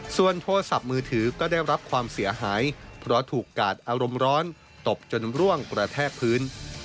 ส่วนโทรศัพท์มือถือก็ได้รับความเสียหายเพราะถูกกาดอารมณ์ร้อนตบจนร่วงกระแทกพื้น